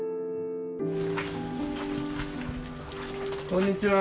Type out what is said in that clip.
こんにちは。